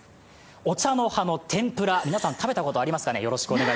お茶の葉の天ぷら、皆さん食べたことありますかね？